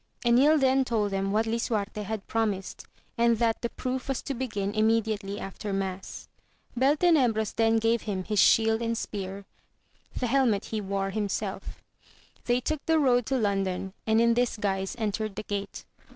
Enil then told them what Lisuarte had promised, and that the proof was to begin immediately after mass. Beltenebros then gave him his shield and spear, the helmet he wore himself ; they took the road to London, and in this guise entered the gate.